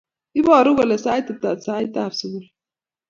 Ibaru kole siat ata saitab sugul?